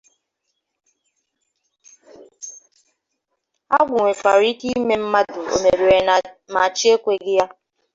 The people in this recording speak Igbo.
Agwụ nwekwara ike ime mmadụ 'omebere ma chi ekweghị ya